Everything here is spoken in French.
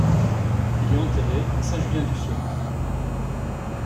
Il est enterré à Saint-Julien-du-Sault.